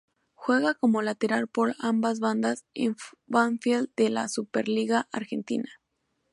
Juega como lateral por ambas bandas en Banfield de la Superliga Argentina.